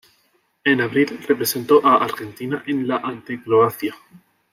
En abril, representó a Argentina en la ante Croacia.